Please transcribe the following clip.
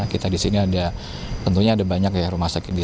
kita di sini ada tentunya ada banyak ya rumah sakit